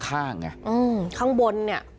ข้างบนเนี่ย